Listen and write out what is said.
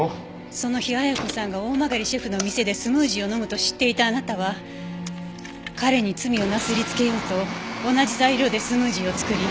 その日綾子さんが大曲シェフの店でスムージーを飲むと知っていたあなたは彼に罪をなすりつけようと同じ材料でスムージーを作り。